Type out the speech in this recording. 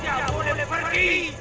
tuhan tidak boleh pergi